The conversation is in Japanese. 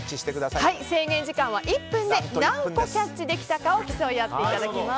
制限時間は１分で何個キャッチできたかを競い合っていただきます。